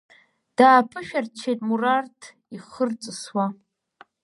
Дааԥышәырччеит Мураҭ, ихы рҵысуа.